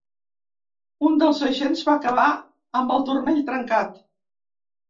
Un dels agents va acabar amb el turmell trencat.